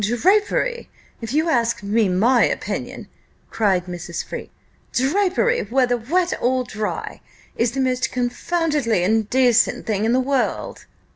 "Drapery, if you ask me my opinion," cried Mrs. Freke, "drapery, whether wet or dry, is the most confoundedly indecent thing in the world."